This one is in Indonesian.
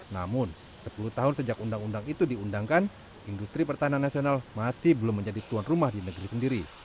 namun sepuluh tahun sejak undang undang itu diundangkan industri pertahanan nasional masih belum menjadi tuan rumah di negeri sendiri